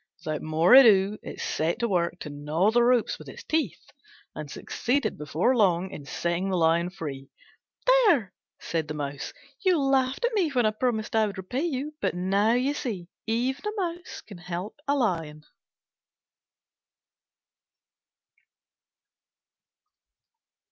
Without more ado it set to work to gnaw the ropes with its teeth, and succeeded before long in setting the Lion free. "There!" said the Mouse, "you laughed at me when I promised I would repay you: but now you see, even a Mouse can help a Lion."